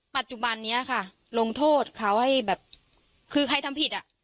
ปัจจุบันนี้ค่ะลงโทษเขาให้แบบคือใครทำผิดอ่ะ